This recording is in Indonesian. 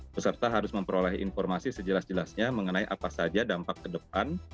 peserta harus memperoleh informasi sejelas jelasnya mengenai apa saja dampak ke depan